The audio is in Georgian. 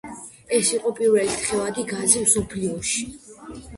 ეს იყო პირველი თხევადი გაზი მსოფლიოში.